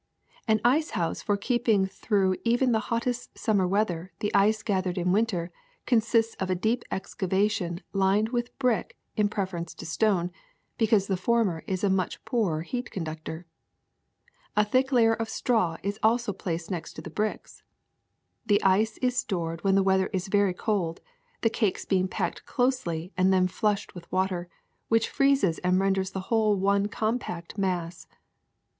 ^'An ice house for keeping through even the hot test summer weather the ice gathered in winter con sists of a deep excavation lined with brick in prefer ence to stone, because the former is a much poorer heat conductor. A thick layer of straw is also placed next to the bricks. The ice is stored when the weather is very cold, the cakes being packed closely and then flushed with w^ater, which freezes and renders the whole one compact mass.